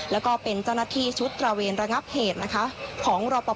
แล้วก็เป็นเจ้าหน้าที่ชุดตระเวนระงับเหตุนะคะของรอปภ